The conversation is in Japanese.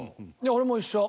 俺も一緒。